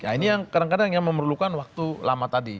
ini yang kadang kadang yang memerlukan waktu lama tadi